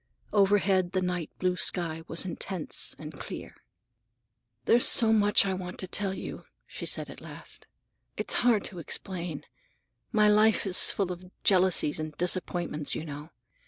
Overhead the night blue sky was intense and clear. "There's so much that I want to tell you," she said at last, "and it's hard to explain. My life is full of jealousies and disappointments, you know.